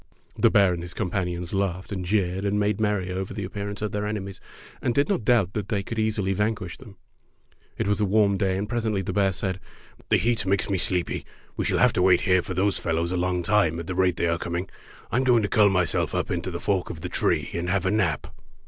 The bear and his companions laughed and jeered and made merry over the appearance of their enemies and did not doubt that they could easily vanquish them. It was a warm day, and presently the bear said: "The heat makes me sleepy. We shall have to wait here Fairy Tale Foxes 75 for those fellows a long time at the rate they are coming. I'm going to curl myself up in the fork of the tree and have a nap."